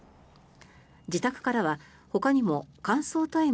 自宅からは、ほかにも乾燥大麻